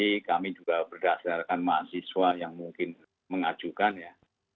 jadi kami juga berdasarkan mahasiswa yang mungkin mengajukan ya